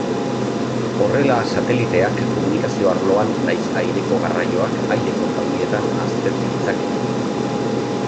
Horrela, sateliteak, komunikazio arloan, nahiz aireko garraioak, aire-konpainietan, azter ditzakete.